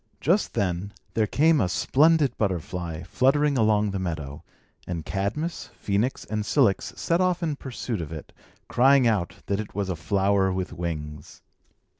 Just then, there came a splendid butterfly, fluttering along the meadow; and Cadmus, Phœnix, and Cilix set off in pursuit of it, crying out that it was a flower with wings.